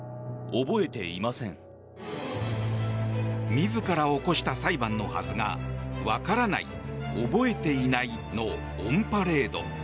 自ら起こした裁判のはずが分からない、覚えていないのオンパレード。